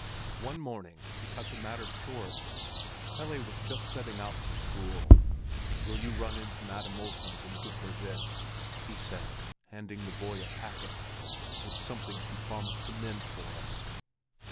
One morning he cut the matter short; Pelle was just setting out for school. "Will you run in to Madam Olsen's and give her this?" he said, handing the boy a packet. "It's something she's promised to mend for us."